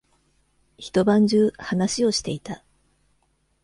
一晩中話をしていた。